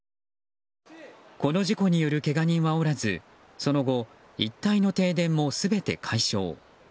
この事故によるけが人はおらずその後、一帯の停電も全て解消。